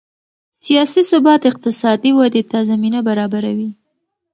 سیاسي ثبات اقتصادي ودې ته زمینه برابروي